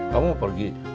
kamu mau pergi